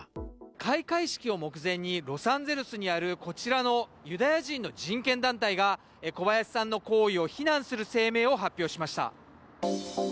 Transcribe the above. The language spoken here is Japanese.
開会式を目前に、ロサンゼルスにある、こちらのユダヤ人の人権団体が、小林さんの行為を非難する声明を発表しました。